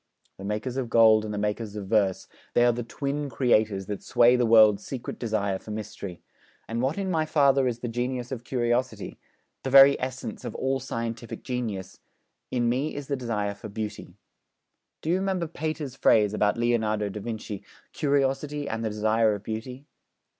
"The makers of gold and the makers of verse," they are the twin creators that sway the world's secret desire for mystery; and what in my father is the genius of curiosity the very essence of all scientific genius in me is the desire for beauty. Do you remember Pater's phrase about Leonardo da Vinci, "curiosity and the desire of beauty"?'